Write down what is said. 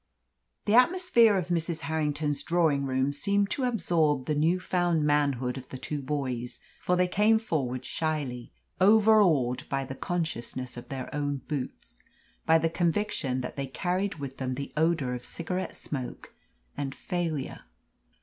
The atmosphere of Mrs. Harrington's drawing room seemed to absorb the new found manhood of the two boys, for they came forward shyly, overawed by the consciousness of their own boots, by the conviction that they carried with them the odour of cigarette smoke and failure.